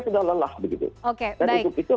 sudah lelah begitu dan untuk itu